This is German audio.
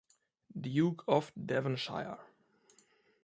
Duke of Devonshire.